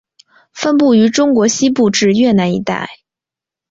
分布于中国西部至越南一带。